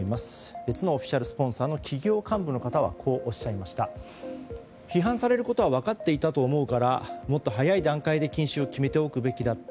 別のオフィシャルスポンサーの企業幹部の方によりますと批判されることは分かっていたと思うからもっと早い段階で禁止を決めておくべきだった。